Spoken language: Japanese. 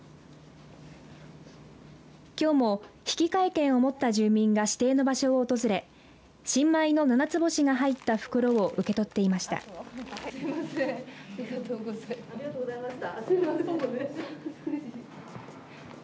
きょうも引換券を持った住民が指定の場所を訪れ新米のななつぼしが入った袋を受け取っていました。